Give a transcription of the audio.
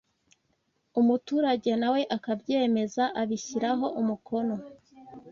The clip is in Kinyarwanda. umuturage nawe akabyemeza abishyiraho umukono